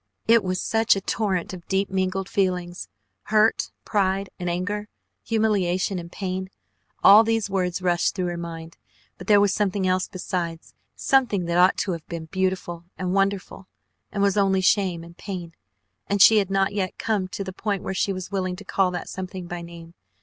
It was such a torrent of deep mingled feelings, hurt pride and anger, humiliation, and pain all these words rushed through her mind, but there was something else besides, something that ought to have been beautiful and wonderful, and was only shame and pain, and she had not yet come to the point where she was willing to call that something by name.